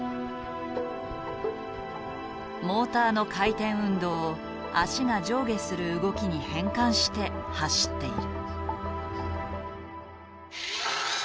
モーターの回転運動を足が上下する動きに変換して走っている。